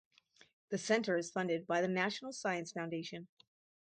The center is funded by the National Science Foundation.